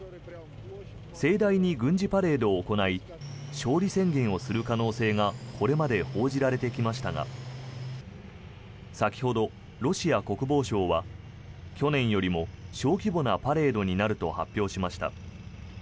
盛大に軍事パレードを行い勝利宣言をする可能性がこれまで報じられてきましたが先ほど、ロシア国防省は去年よりも小規模なパレードになると発表しました。